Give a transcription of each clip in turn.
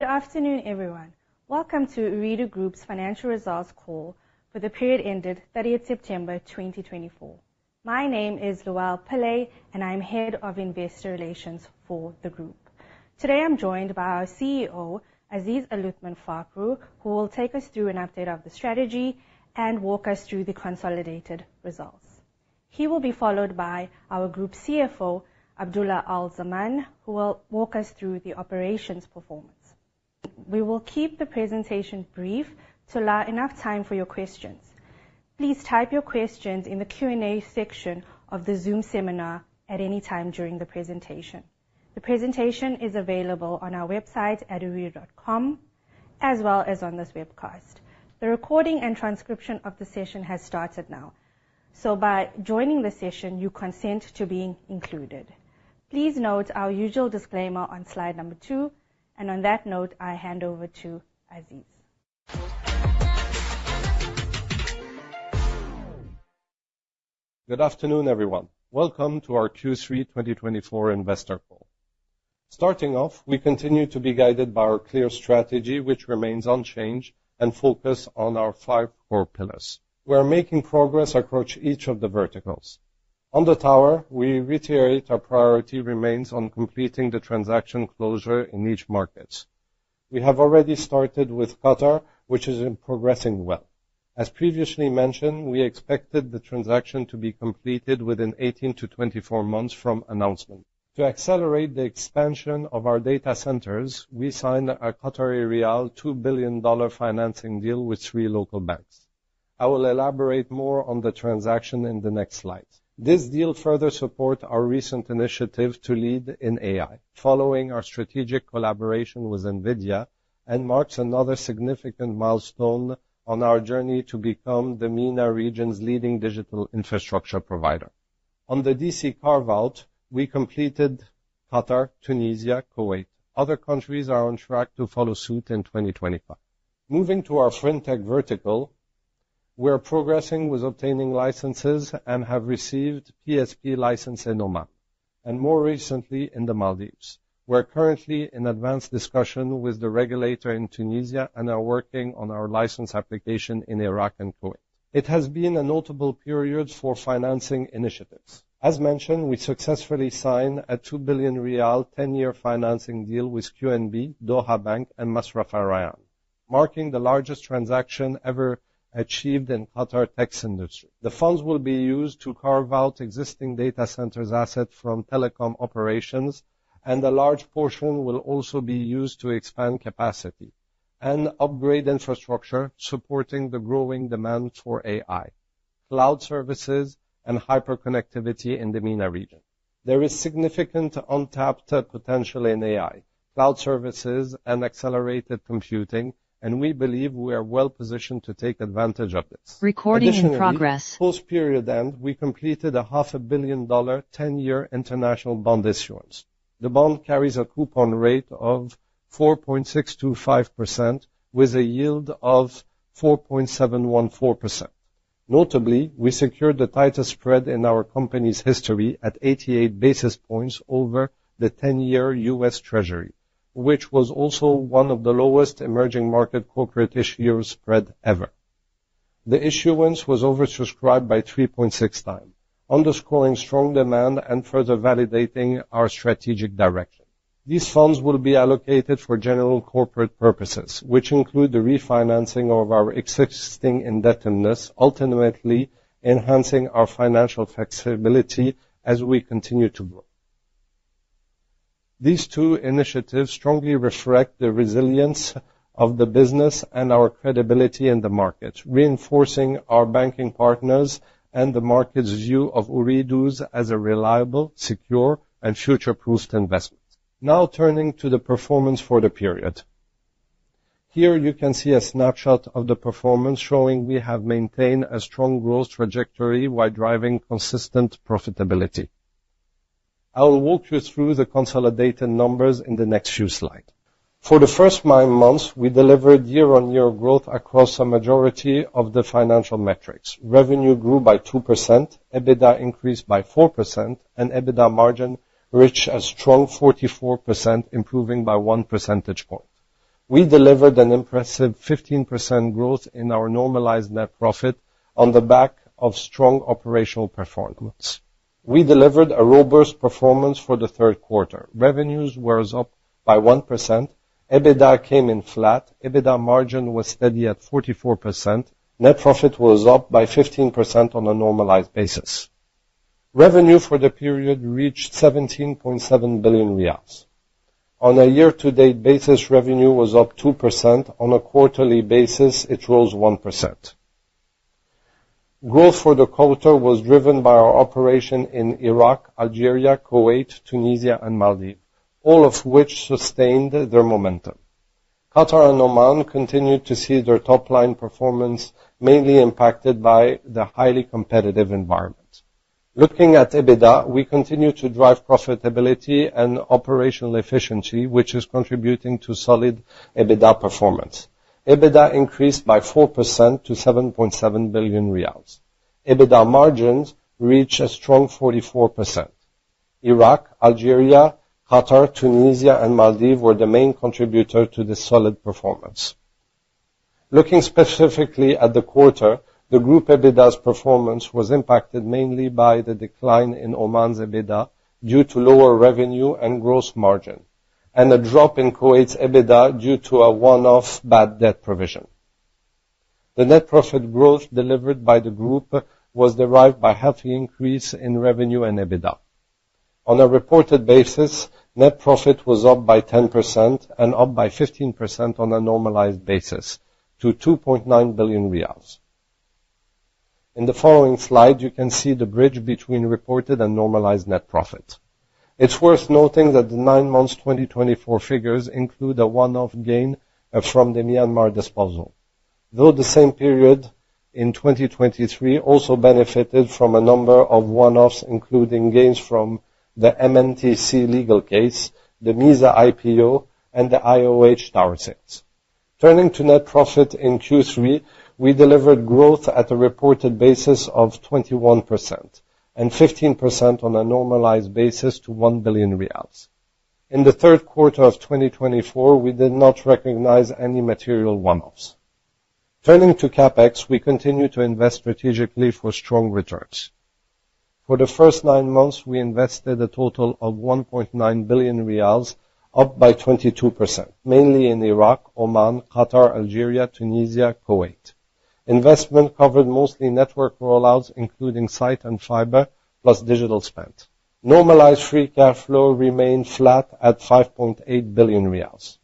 Good afternoon, everyone. Welcome to Ooredoo Group's financial results call for the period ended 30th September 2024. My name is Luelle Pillay, and I'm head of investor relations for the group. Today, I'm joined by our CEO, Aziz Aluthman Fakhroo, who will take us through an update of the strategy and walk us through the consolidated results. He will be followed by our Group CFO, Abdulla Al-Zaman, who will walk us through the operations performance. We will keep the presentation brief to allow enough time for your questions. Please type your questions in the Q&A section of the Zoom seminar at any time during the presentation. The presentation is available on our website at ooredoo.com, as well as on this webcast. The recording and transcription of the session have started now, so by joining the session, you consent to being included. Please note our usual disclaimer on slide number two, and on that note, I hand over to Aziz. Good afternoon, everyone. Welcome to our Q3 2024 investor call. Starting off, we continue to be guided by our clear strategy, which remains unchanged, and focus on our five core pillars. We are making progress across each of the verticals. On the tower, we reiterate our priority remains on completing the transaction closure in each market. We have already started with Qatar, which is progressing well. As previously mentioned, we expected the transaction to be completed within 18 to 24 months from announcement. To accelerate the expansion of our data centers, we signed a QAR 2 billion financing deal with three local banks. I will elaborate more on the transaction in the next slides. This deal further supports our recent initiative to lead in AI, following our strategic collaboration with NVIDIA, and marks another significant milestone on our journey to become the MENA region's leading digital infrastructure provider. On the DC carve-out, we completed Qatar, Tunisia, Kuwait. Other countries are on track to follow suit in 2025. Moving to our FinTech vertical, we are progressing with obtaining licenses and have received PSP license in Oman, and more recently in the Maldives. We are currently in advanced discussion with the regulator in Tunisia and are working on our license application in Iraq and Kuwait. It has been a notable period for financing initiatives. As mentioned, we successfully signed a QAR 2 billion 10-year financing deal with QNB, Doha Bank, and Masraf Al Rayan, marking the largest transaction ever achieved in Qatar's tech industry. The funds will be used to carve out existing data centers assets from telecom operations, and a large portion will also be used to expand capacity and upgrade infrastructure supporting the growing demand for AI, cloud services, and hyperconnectivity in the MENA region. There is significant untapped potential in AI, cloud services, and accelerated computing, and we believe we are well positioned to take advantage of this. Recording in progress. Post-period end, we completed a $500 million 10-year international bond issuance. The bond carries a coupon rate of 4.625% with a yield of 4.714%. Notably, we secured the tightest spread in our company's history at 88 basis points over the 10-year U.S. Treasury, which was also one of the lowest emerging market corporate issuer spreads ever. The issuance was oversubscribed by 3.6 times, underscoring strong demand and further validating our strategic direction. These funds will be allocated for general corporate purposes, which include the refinancing of our existing indebtedness, ultimately enhancing our financial flexibility as we continue to grow. These two initiatives strongly reflect the resilience of the business and our credibility in the markets, reinforcing our banking partners and the market's view of Ooredoo's as a reliable, secure, and future-proofed investment. Now, turning to the performance for the period, here you can see a snapshot of the performance showing we have maintained a strong growth trajectory while driving consistent profitability. I will walk you through the consolidated numbers in the next few slides. For the first nine months, we delivered year-on-year growth across a majority of the financial metrics. Revenue grew by 2%, EBITDA increased by 4%, and EBITDA margin reached a strong 44%, improving by one percentage point. We delivered an impressive 15% growth in our normalized net profit on the back of strong operational performance. We delivered a robust performance for the third quarter. Revenues were up by 1%. EBITDA came in flat. EBITDA margin was steady at 44%. Net profit was up by 15% on a normalized basis. Revenue for the period reached 17.7 billion riyals. On a year-to-date basis, revenue was up 2%. On a quarterly basis, it rose 1%. Growth for the quarter was driven by our operation in Iraq, Algeria, Kuwait, Tunisia, and Maldives, all of which sustained their momentum. Qatar and Oman continued to see their top-line performance mainly impacted by the highly competitive environment. Looking at EBITDA, we continue to drive profitability and operational efficiency, which is contributing to solid EBITDA performance. EBITDA increased by 4% to 7.7 billion riyals. EBITDA margins reached a strong 44%. Iraq, Algeria, Qatar, Tunisia, and Maldives were the main contributors to this solid performance. Looking specifically at the quarter, the group EBITDA's performance was impacted mainly by the decline in Oman's EBITDA due to lower revenue and gross margin, and a drop in Kuwait's EBITDA due to a one-off bad debt provision. The net profit growth delivered by the group was derived by a healthy increase in revenue and EBITDA. On a reported basis, net profit was up by 10% and up by 15% on a normalized basis to 2.9 billion riyals. In the following slide, you can see the bridge between reported and normalized net profit. It's worth noting that the nine months' 2024 figures include a one-off gain from the Myanmar disposal. Though the same period in 2023 also benefited from a number of one-offs, including gains from the NMTC legal case, the MEEZA IPO, and the IOH tower sales. Turning to net profit in Q3, we delivered growth at a reported basis of 21% and 15% on a normalized basis to 1 billion riyals. In the third quarter of 2024, we did not recognize any material one-offs. Turning to CapEx, we continue to invest strategically for strong returns. For the first nine months, we invested a total of 1.9 billion riyals, up by 22%, mainly in Iraq, Oman, Qatar, Algeria, Tunisia, Kuwait. Investment covered mostly network rollouts, including site and fiber, plus digital spend. Normalized free cash flow remained flat at 5.8 billion riyals.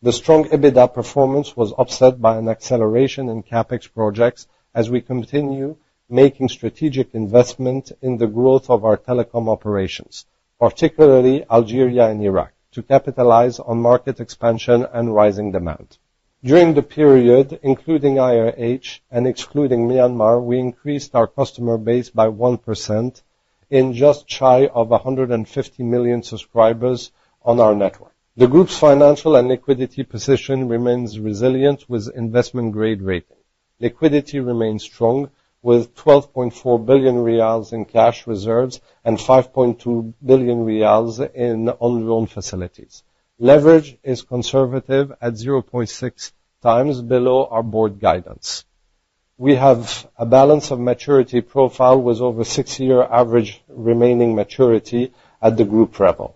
The strong EBITDA performance was offset by an acceleration in CapEx projects as we continue making strategic investment in the growth of our telecom operations, particularly Algeria and Iraq, to capitalize on market expansion and rising demand. During the period, including IOH and excluding Myanmar, we increased our customer base by 1% in just shy of 150 million subscribers on our network. The group's financial and liquidity position remains resilient with investment-grade rating. Liquidity remains strong with 12.4 billion riyals in cash reserves and 5.2 billion riyals in on-loan facilities. Leverage is conservative at 0.6 times below our board guidance. We have a balance of maturity profile with over six-year average remaining maturity at the group level.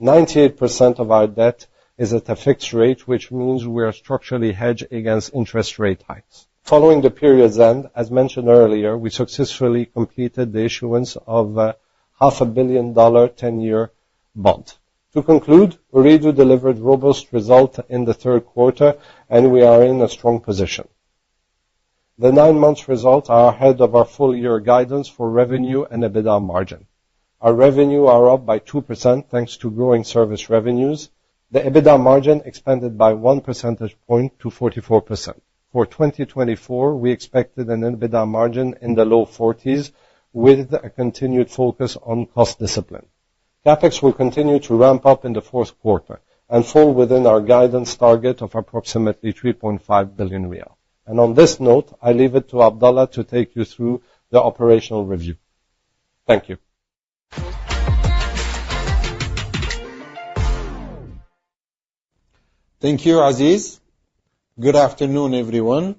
98% of our debt is at a fixed rate, which means we are structurally hedged against interest rate hikes. Following the period's end, as mentioned earlier, we successfully completed the issuance of a $500 million 10-year bond. To conclude, Ooredoo delivered robust results in the third quarter, and we are in a strong position. The nine-month result is ahead of our full-year guidance for revenue and EBITDA margin. Our revenues are up by 2% thanks to growing service revenues. The EBITDA margin expanded by one percentage point to 44%. For 2024, we expected an EBITDA margin in the low 40s% with a continued focus on cost discipline. CapEx will continue to ramp up in the fourth quarter and fall within our guidance target of approximately 3.5 billion riyal. On this note, I leave it to Abdulla to take you through the operational review. Thank you. Thank you, Aziz. Good afternoon, everyone.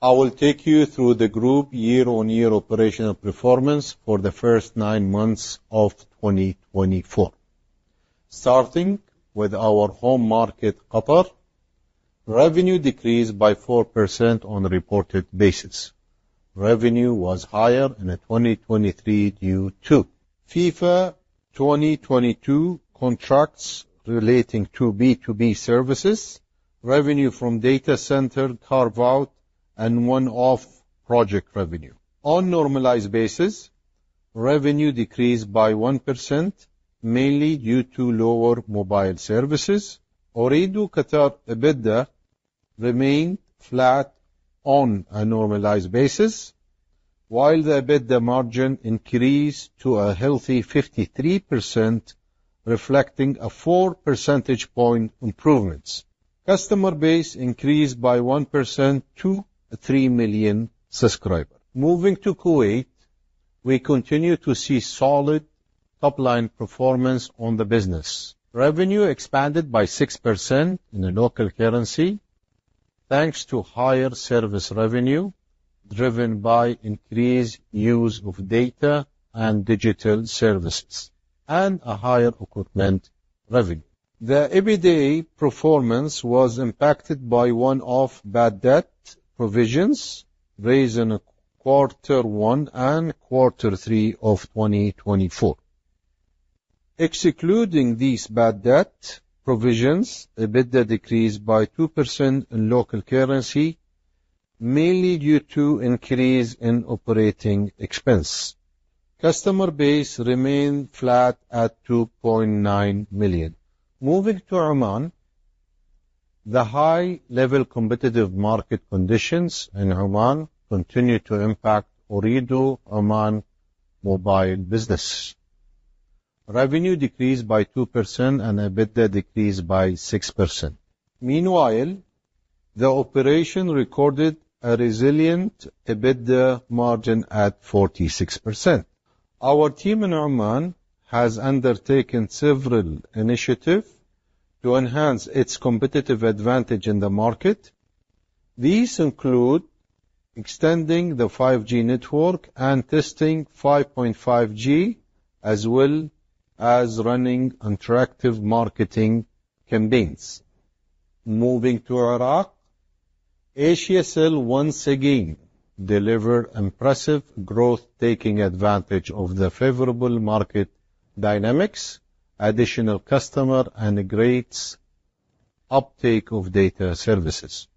I will take you through the group year-on-year operational performance for the first nine months of 2024. Starting with our home market, Qatar, revenue decreased by 4% on a reported basis. Revenue was higher in 2023 due to FIFA 2022 contracts relating to B2B services, revenue from data center carve-out, and one-off project revenue. On a normalized basis, revenue decreased by 1%, mainly due to lower mobile services. Ooredoo Qatar EBITDA remained flat on a normalized basis, while the EBITDA margin increased to a healthy 53%, reflecting a 4 percentage point improvement. Customer base increased by 1% to 3 million subscribers. Moving to Kuwait, we continue to see solid top-line performance on the business. Revenue expanded by 6% in the local currency thanks to higher service revenue driven by increased use of data and digital services, and a higher equipment revenue. The EBITDA performance was impacted by one-off bad debt provisions raised in Q1 and Q3 of 2024. Excluding these bad debt provisions, EBITDA decreased by 2% in local currency, mainly due to an increase in operating expense. Customer base remained flat at 2.9 million. Moving to Oman, the high-level competitive market conditions in Oman continue to impact Ooredoo Oman mobile business. Revenue decreased by 2% and EBITDA decreased by 6%. Meanwhile, the operation recorded a resilient EBITDA margin at 46%. Our team in Oman has undertaken several initiatives to enhance its competitive advantage in the market. These include extending the 5G network and testing 5.5G, as well as running attractive marketing campaigns. Moving to Iraq, Ooredoo Iraq once again delivered impressive growth, taking advantage of the favorable market dynamics, additional customers, and great uptake of data services.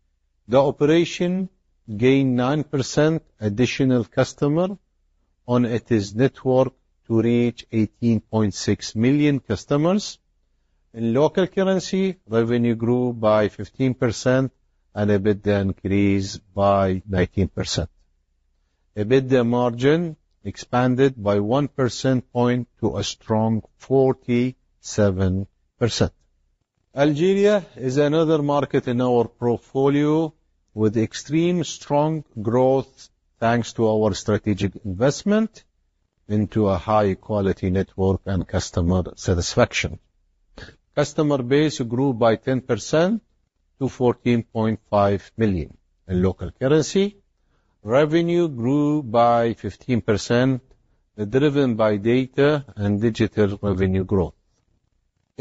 The operation gained 9% additional customers on its network to reach 18.6 million. In local currency, revenue grew by 15% and EBITDA increased by 19%. EBITDA margin expanded by 1 percentage point to a strong 47%. Algeria is another market in our portfolio with extremely strong growth thanks to our strategic investment into a high-quality network and customer satisfaction. Customer base grew by 10% to 14.5 million. In local currency, revenue grew by 15%, driven by data and digital revenue growth.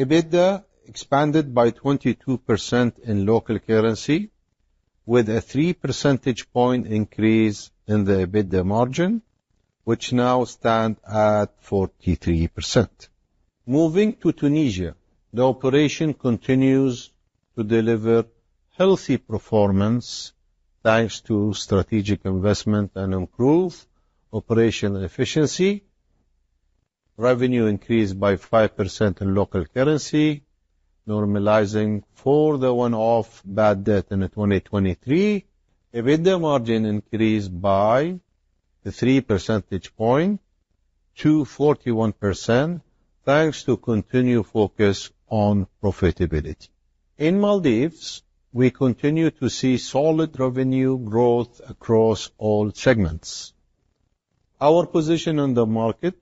EBITDA expanded by 22% in local currency, with a 3 percentage point increase in the EBITDA margin, which now stands at 43%. Moving to Tunisia, the operation continues to deliver healthy performance thanks to strategic investment and improved operational efficiency. Revenue increased by 5% in local currency, normalizing for the one-off bad debt in 2023. EBITDA margin increased by 3 percentage points to 41% thanks to continued focus on profitability. In Maldives, we continue to see solid revenue growth across all segments. Our position in the market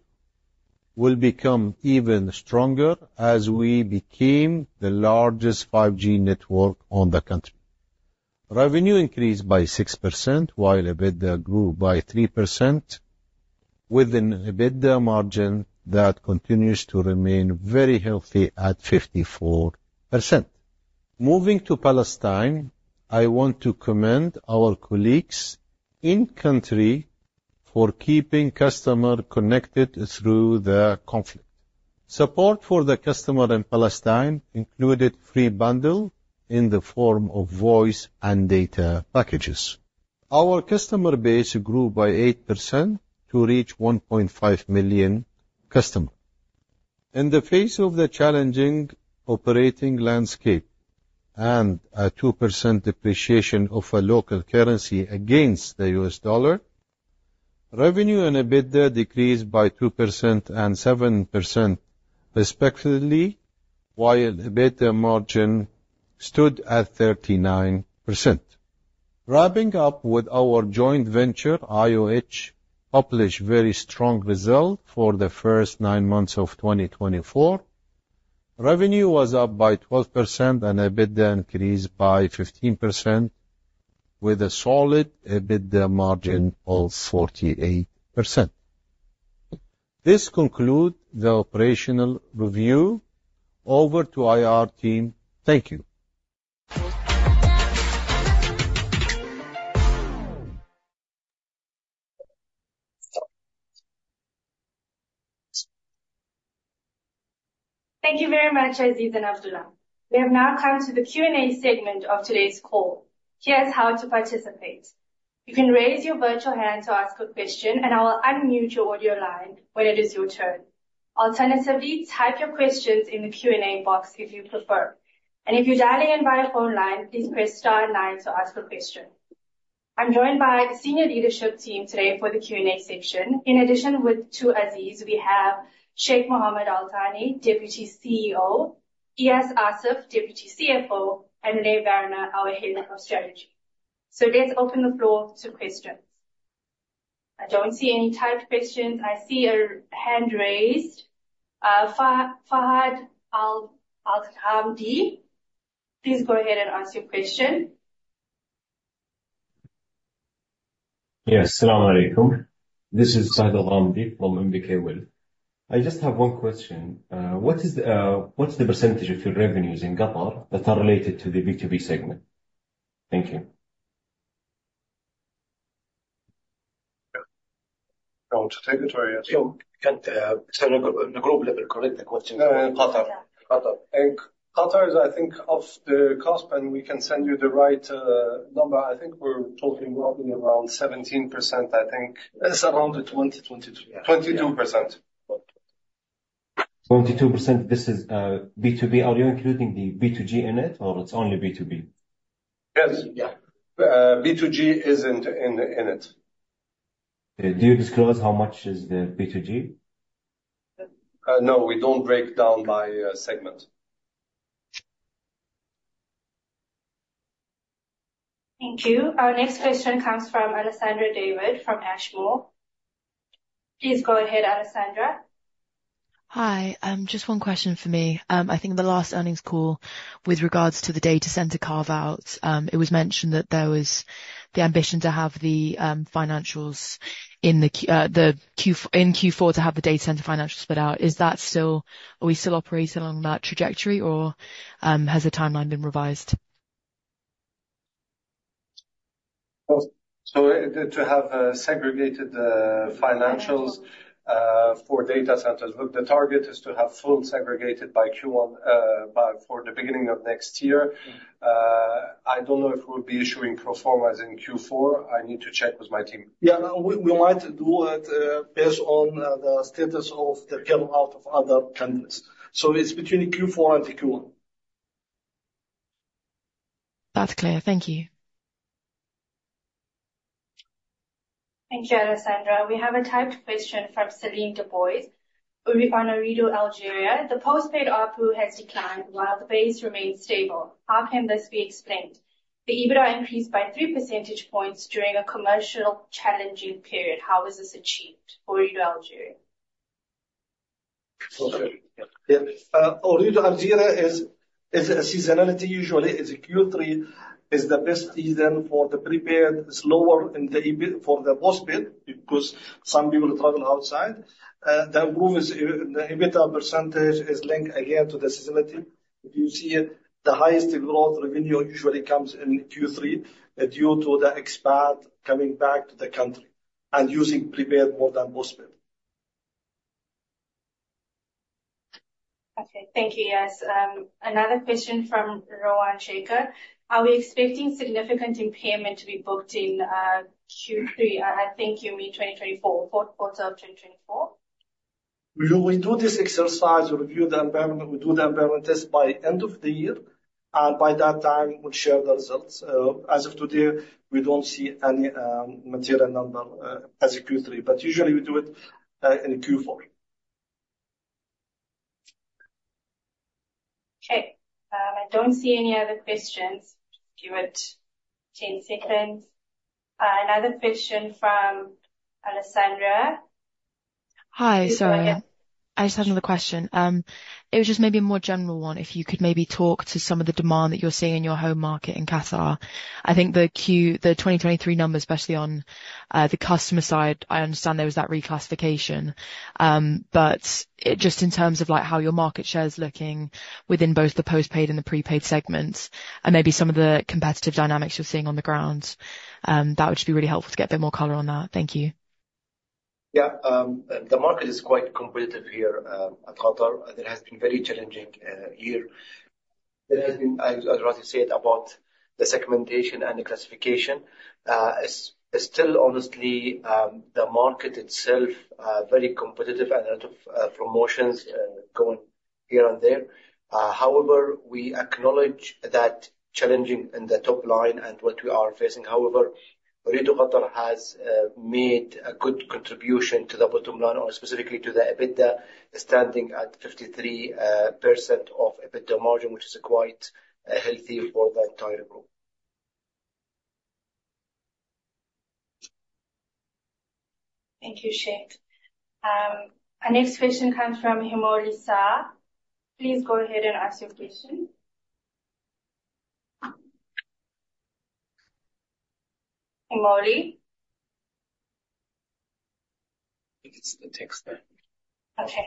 will become even stronger as we became the largest 5G network in the country. Revenue increased by 6%, while EBITDA grew by 3%, with an EBITDA margin that continues to remain very healthy at 54%. Moving to Palestine, I want to commend our colleagues in-country for keeping customers connected through the conflict. Support for the customers in Palestine included a free bundle in the form of voice and data packages. Our customer base grew by 8% to reach 1.5 million customers. In the face of the challenging operating landscape and a 2% depreciation of a local currency against the U.S. dollar, revenue and EBITDA decreased by 2% and 7% respectively, while EBITDA margin stood at 39%. Wrapping up with our joint venture, IOH published very strong results for the first nine months of 2024. Revenue was up by 12% and EBITDA increased by 15%, with a solid EBITDA margin of 48%. This concludes the operational review. Over to IR team. Thank you. Thank you very much, Aziz and Abdulla. We have now come to the Q&A segment of today's call. Here's how to participate. You can raise your virtual hand to ask a question, and I will unmute your audio line when it is your turn. Alternatively, type your questions in the Q&A box if you prefer. And if you're dialing in via phone line, please press star nine to ask a question. I'm joined by the senior leadership team today for the Q&A section. In addition to Aziz, we have Sheikh Mohammed bin Abdulla Al Thani, Deputy CEO; Eyas Assaf, Deputy CFO; and Rene Werner, our head of strategy. So let's open the floor to questions. I don't see any typed questions. I see a hand raised. Fahad Al-Dhahlamdi, please go ahead and ask your question. Yes, Assalamualaikum. This is Fahad Al-Dhahlamdi from NBK Capital. I just have one question. What is the percentage of your revenues in Qatar that are related to the B2B segment? Thank you. I want to take it, or I ask? Sure. Can the group level collect the question? Qatar. Thank you. Qatar is, I think, on the cusp, and we can send you the right number. I think we're talking roughly around 17%. I think it's around 22%. 22%. This is B2B audio, including the B2G in it, or it's only B2B? Yes. Yeah. B2G isn't in it. Do you disclose how much is the B2G? No, we don't break down by segment. Thank you. Our next question comes from Alessandra David from Ashmore. Please go ahead, Alessandra. Hi. Just one question for me. I think the last earnings call with regards to the data center carve-out, it was mentioned that there was the ambition to have the financials in Q4, to have the data center financials spelled out. Is that still? Are we still operating along that trajectory, or has the timeline been revised? So, to have segregated financials for data centers, look, the target is to have full segregated by Q1 for the beginning of next year. I don't know if we'll be issuing pro forma in Q4. I need to check with my team. Yeah, we might do it based on the status of the carve-out of other countries. So it's between Q4 and Q1. That's clear. Thank you. Thank you, Alessandra. We have a typed question from Selim Dabbous on Ooredoo Algeria. The postpaid OPU has declined while the base remains stable. How can this be explained? The EBITDA increased by 3 percentage points during a commercially challenging period. How was this achieved? Ooredoo Algeria. Ooredoo Algeria is a seasonality. Usually, Q3 is the best season for the prepaid. It's lower in the postpaid because some people travel outside. The improvement in the EBITDA percentage is linked again to the seasonality. If you see the highest growth revenue usually comes in Q3 due to the expat coming back to the country and using prepaid more than postpaid. Okay. Thank you, Iyas. Another question from Rawan Shaker. Are we expecting significant impairment to be booked in Q3? I think you mean 2024, quarter of 2024. We do this exercise. We review the environment. We do the environment test by the end of the year, and by that time, we'll share the results. As of today, we don't see any material number as a Q3, but usually we do it in Q4. Okay. I don't see any other questions. Give it 10 seconds. Another question from Alessandra. Hi, sorry. I just had another question. It was just maybe a more general one. If you could maybe talk to some of the demand that you're seeing in your home market in Qatar. I think the 2023 numbers, especially on the customer side, I understand there was that reclassification. But just in terms of how your market share is looking within both the postpaid and the prepaid segments, and maybe some of the competitive dynamics you're seeing on the ground, that would just be really helpful to get a bit more color on that. Thank you. Yeah. The market is quite competitive here at Qatar. It has been a very challenging year. There has been, as you said, about the segmentation and the classification. It's still, honestly, the market itself very competitive and a lot of promotions going here and there. However, we acknowledge that challenging in the top line and what we are facing. However, Ooredoo Qatar has made a good contribution to the bottom line, or specifically to the EBITDA, standing at 53% of EBITDA margin, which is quite healthy for the entire group. Thank you, Sheikh. Our next question comes from Himoli Shah. Please go ahead and ask your question. Himoli. It's the text there. Okay.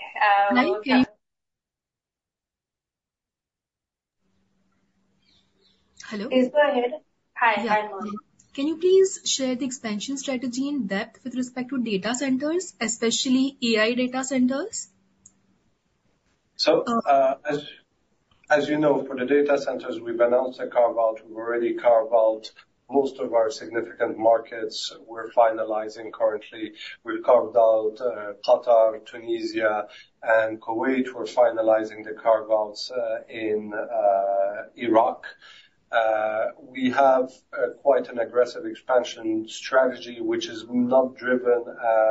Hello. Please go ahead. Hi. I'm Molly. Can you please share the expansion strategy in depth with respect to data centers, especially AI data centers? As you know, for the data centers, we've announced a carve-out. We've already carved out most of our significant markets. We're finalizing currently. We've carved out Qatar, Tunisia, and Kuwait. We're finalizing the carve-outs in Iraq. We have quite an aggressive expansion strategy, which is not driven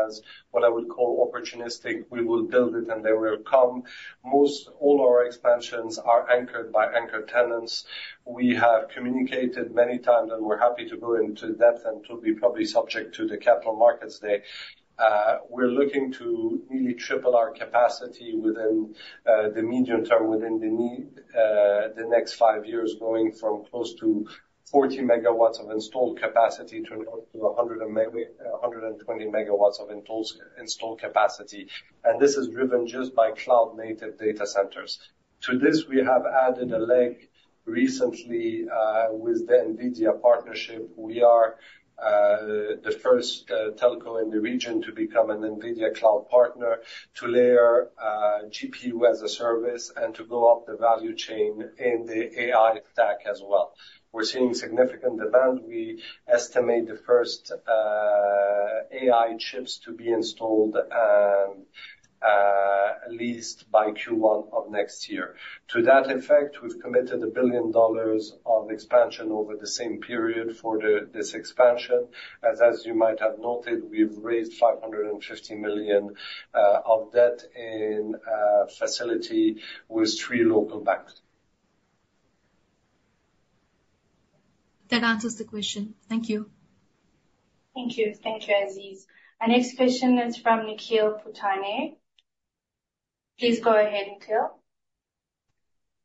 as what I would call opportunistic. We will build it, and they will come. Most all our expansions are anchored by anchor tenants. We have communicated many times, and we're happy to go into depth and to be probably subject to the capital markets there. We're looking to nearly triple our capacity within the medium term within the next five years, going from close to 40 megawatts of installed capacity to up to 120 megawatts of installed capacity. And this is driven just by cloud-native data centers. To this, we have added a leg recently with the NVIDIA partnership. We are the first telco in the region to become an NVIDIA cloud partner, to layer GPU as a service, and to go up the value chain in the AI stack as well. We're seeing significant demand. We estimate the first AI chips to be installed and leased by Q1 of next year. To that effect, we've committed $1 billion of expansion over the same period for this expansion. As you might have noted, we've raised $550 million of debt facility with three local banks. That answers the question. Thank you. Thank you. Thank you, Aziz. Our next question is from Nikhil Puthani. Please go ahead, Nikhil.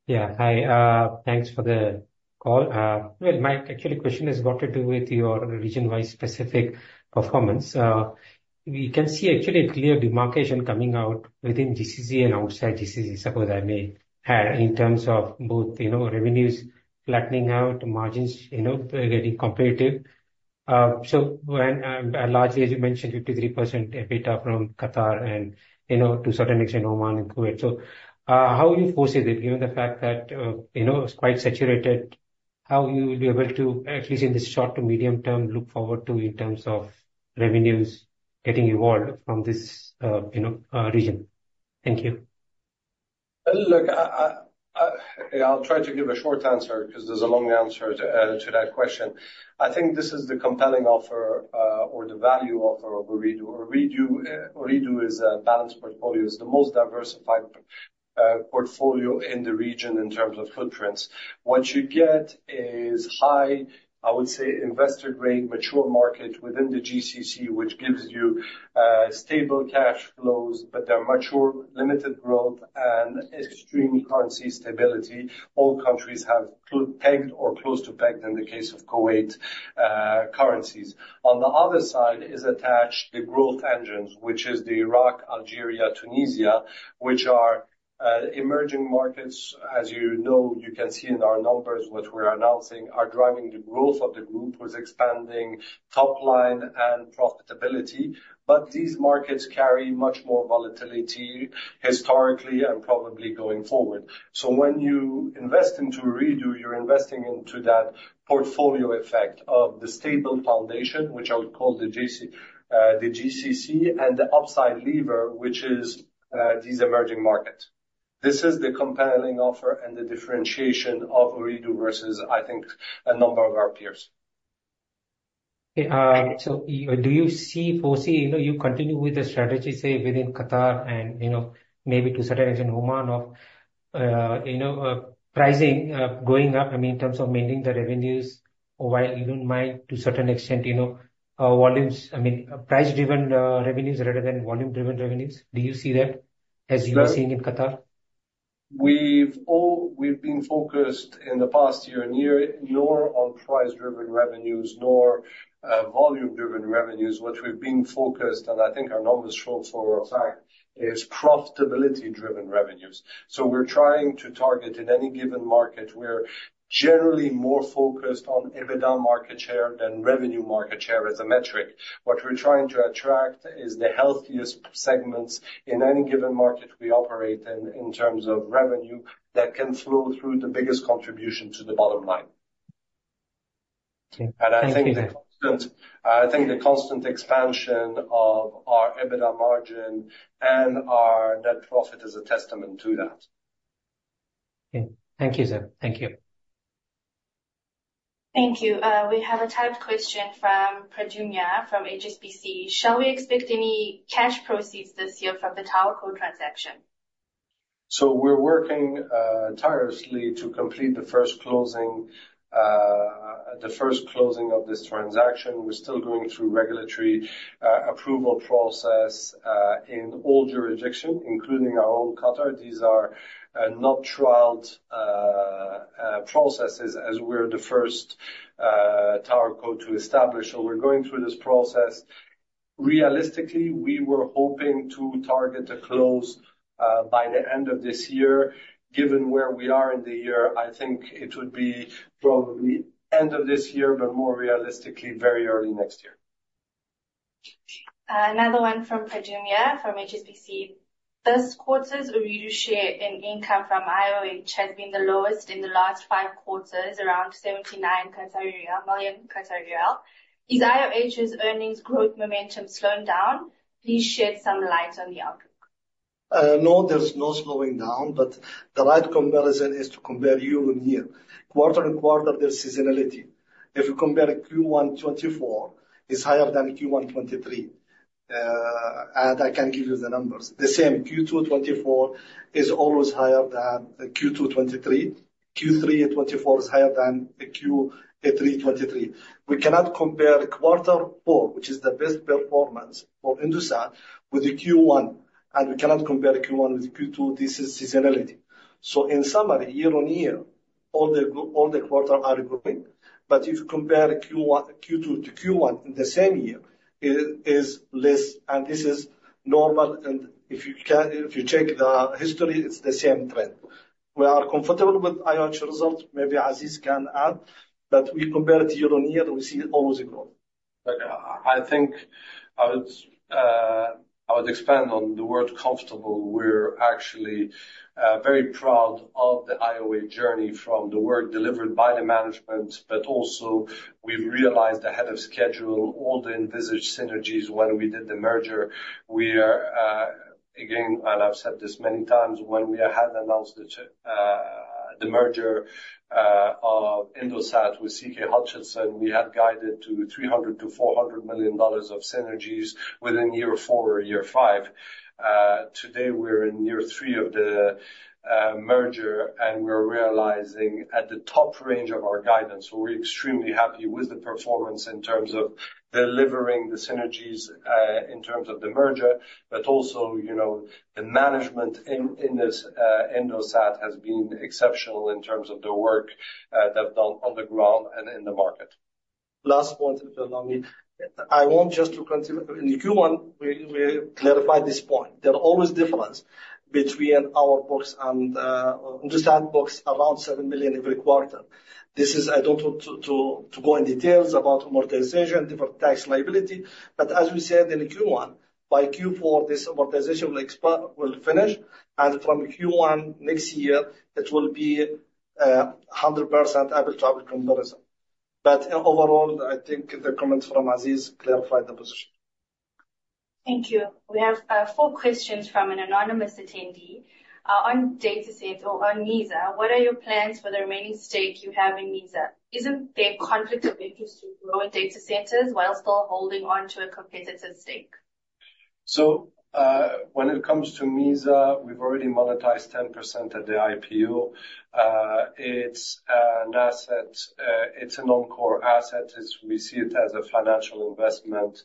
Yeah. Hi. Thanks for the call. Well, Mike, actually, the question has got to do with your region-wide specific performance. We can see actually a clear demarcation coming out within GCC and outside GCC, so I may add, in terms of both revenues flattening out, margins getting competitive. So largely, as you mentioned, 53% EBITDA from Qatar and to a certain extent, Oman and Kuwait. So how do you foresee that given the fact that it's quite saturated? How will you be able to, at least in the short to medium term, look forward to in terms of revenues getting evolved from this region? Thank you. Look, I'll try to give a short answer because there's a long answer to that question. I think this is the compelling offer or the value offer of Ooredoo. Ooredoo is a balanced portfolio. It's the most diversified portfolio in the region in terms of footprints. What you get is high, I would say, investor-grade, mature market within the GCC, which gives you stable cash flows, but they're mature, limited growth, and extreme currency stability. All countries have pegged or close to pegged in the case of Kuwait currencies. On the other side is attached the growth engines, which is the Iraq, Algeria, Tunisia, which are emerging markets. As you know, you can see in our numbers what we're announcing are driving the growth of the group, which is expanding top line and profitability. But these markets carry much more volatility historically and probably going forward. So when you invest into Ooredoo, you're investing into that portfolio effect of the stable foundation, which I would call the GCC, and the upside lever, which is these emerging markets. This is the compelling offer and the differentiation of Ooredoo versus, I think, a number of our peers. So do you foresee you continue with the strategy, say, within Qatar and maybe to a certain extent Oman of pricing going up, I mean, in terms of maintaining the revenues while you don't mind to a certain extent volumes, I mean, price-driven revenues rather than volume-driven revenues? Do you see that as you're seeing in Qatar? We've been focused in the past year not on price-driven revenues or volume-driven revenues. What we've been focused on, I think our numbers show as a fact, is profitability-driven revenues. So we're trying to target in any given market. We're generally more focused on EBITDA market share than revenue market share as a metric. What we're trying to attract is the healthiest segments in any given market we operate in terms of revenue that can flow through the biggest contribution to the bottom line. Okay. Thank you. I think the constant expansion of our EBITDA margin and our net profit is a testament to that. Okay. Thank you, sir. Thank you. Thank you. We have a typed question from Pradyumna from HSBC. Shall we expect any cash proceeds this year from the TowerCo transaction? So we're working tirelessly to complete the first closing of this transaction. We're still going through regulatory approval process in all jurisdictions, including our own Qatar. These are not tried processes as we're the first TowerCo to establish. So we're going through this process. Realistically, we were hoping to target a close by the end of this year. Given where we are in the year, I think it would be probably end of this year, but more realistically, very early next year. Another one from Pradyumna from HSBC. This quarter's Ooredoo share in income from IOH has been the lowest in the last five quarters, around 79 million in IOH's earnings. Growth momentum slowing down. Please shed some light on the outlook. No, there's no slowing down, but the right comparison is to compare year on year. Quarter on quarter, there's seasonality. If you compare Q1 2024, it's higher than Q1 2023, and I can give you the numbers. The same, Q2 2024 is always higher than Q2 2023. Q3 2024 is higher than Q3 2023. We cannot compare quarter four, which is the best performance for Indosat, with Q1, and we cannot compare Q1 with Q2. This is seasonality. In summary, year on year, all the quarters are growing, but if you compare Q2 to Q1 in the same year, it is less, and this is normal. If you check the history, it's the same trend. We are comfortable with IOH results. Maybe Aziz can add, but we compare it year on year; we see always a growth. I think I would expand on the word comfortable. We're actually very proud of the IOH journey from the work delivered by the management, but also we've realized ahead of schedule all the envisaged synergies when we did the merger. Again, and I've said this many times, when we had announced the merger of Indosat with CK Hutchison, we had guided to $300 million-$400 million of synergies within year four or year five. Today, we're in year three of the merger, and we're realizing at the top range of our guidance. So we're extremely happy with the performance in terms of delivering the synergies in terms of the merger, but also the management in this Indosat has been exceptional in terms of the work they've done on the ground and in the market. Last point, if you allow me. I just want to continue in Q1. We clarify this point. There are always differences between our books and Indosat books around seven million every quarter. This is, I don't want to go in details about amortization, different tax liability. But as we said in Q1, by Q4, this amortization will finish, and from Q1 next year, it will be 100% apple-to-apple comparison. But overall, I think the comments from Aziz clarified the position. Thank you. We have four questions from an anonymous attendee. On data center or on MEEZA, what are your plans for the remaining stake you have in MEEZA? Isn't there conflict of interest to grow in data centers while still holding on to a competitive stake? When it comes to MEEZA, we've already monetized 10% at the IPO. It's an asset. It's a non-core asset. We see it as a financial investment.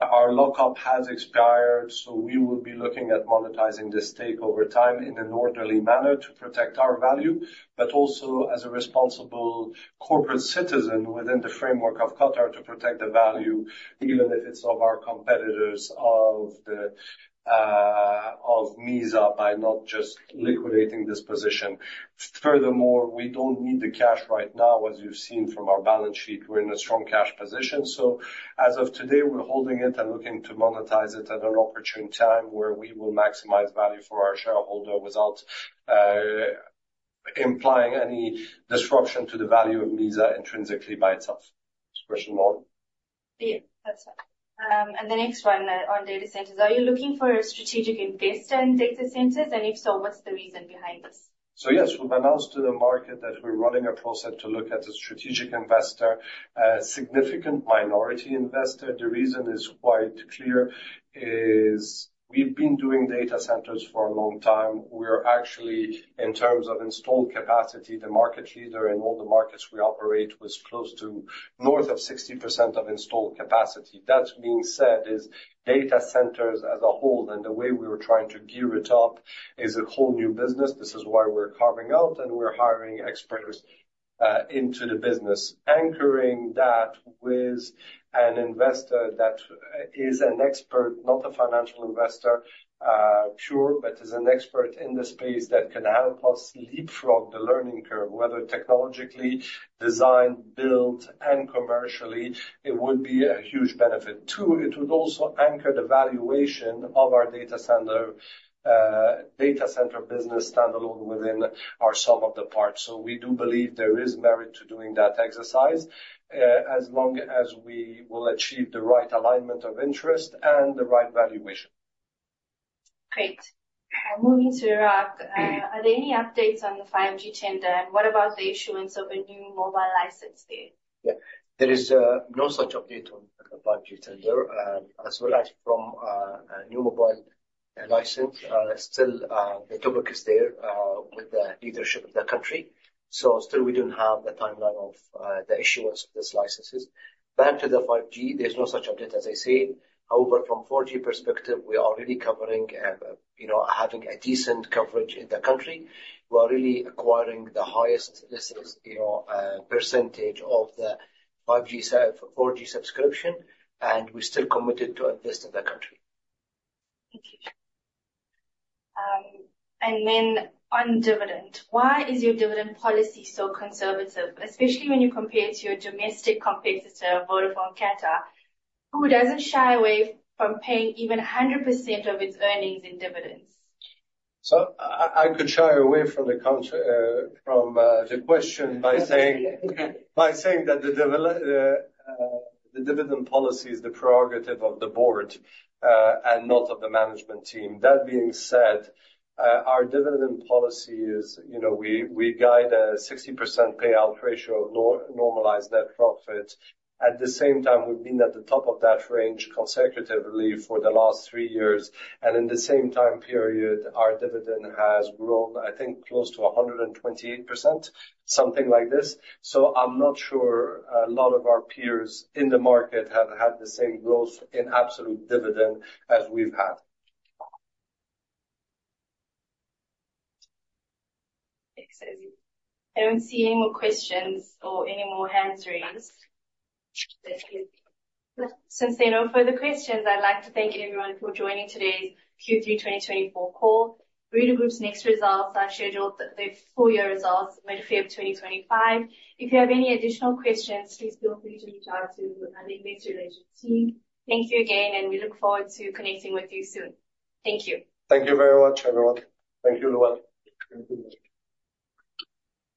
Our lockup has expired, so we will be looking at monetizing the stake over time in an orderly manner to protect our value, but also as a responsible corporate citizen within the framework of Qatar to protect the value, even if it's of our competitors of MEEZA by not just liquidating this position. Furthermore, we don't need the cash right now, as you've seen from our balance sheet. We're in a strong cash position. As of today, we're holding it and looking to monetize it at an opportune time where we will maximize value for our shareholder without implying any disruption to the value of MEEZA intrinsically by itself. This question is all. Yeah. That's fine, and the next one on data centers, are you looking for a strategic investor in data centers? And if so, what's the reason behind this? So yes, we've announced to the market that we're running a process to look at a strategic investor, a significant minority investor. The reason is quite clear. We've been doing data centers for a long time. We're actually, in terms of installed capacity, the market leader in all the markets we operate with close to north of 60% of installed capacity. That being said, data centers as a whole and the way we were trying to gear it up is a whole new business. This is why we're carving out, and we're hiring experts into the business, anchoring that with an investor that is an expert, not a financial investor pure, but is an expert in the space that can help us leapfrog the learning curve, whether technologically designed, built, and commercially. It would be a huge benefit. Two, it would also anchor the valuation of our data center business standalone within our sum of the parts, so we do believe there is merit to doing that exercise as long as we will achieve the right alignment of interest and the right valuation. Great. Moving to Iraq, are there any updates on the 5G tender? And what about the issuance of a new mobile license there? Yeah. There is no such update on the 5G tender, as well as from a new mobile license. Still, the public is there with the leadership of the country. So still, we don't have the timeline of the issuance of these licenses. Back to the 5G, there's no such update, as I said. However, from 4G perspective, we are already covering having a decent coverage in the country. We are really acquiring the highest percentage of the 4G subscription, and we're still committed to invest in the country. Thank you. And then on dividend, why is your dividend policy so conservative, especially when you compare it to your domestic competitor, Vodafone Qatar, who doesn't shy away from paying even 100% of its earnings in dividends? So I could shy away from the question by saying that the dividend policy is the prerogative of the board and not of the management team. That being said, our dividend policy is we guide a 60% payout ratio of normalized net profit. At the same time, we've been at the top of that range consecutively for the last three years. And in the same time period, our dividend has grown, I think, close to 128%, something like this. So I'm not sure a lot of our peers in the market have had the same growth in absolute dividend as we've had. Thanks, Aziz. I don't see any more questions or any more hands raised. Since there are no further questions, I'd like to thank everyone for joining today's Q3 2024 call. Ooredoo Group's next results are scheduled for our results mid-February 2025. If you have any additional questions, please feel free to reach out to our investor relations team. Thank you again, and we look forward to connecting with you soon. Thank you. Thank you very much, everyone. Thank you, everyone.